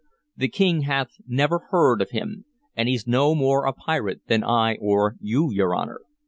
The King hath never heard of him. And he's no more a pirate than I or you, your Honor.